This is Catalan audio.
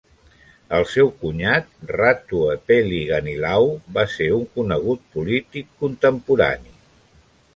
El seu cunyat, Ratu Epeli Ganilau, va ser un conegut polític contemporani.